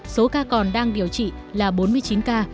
số ca còn đang điều trị là bốn mươi chín ca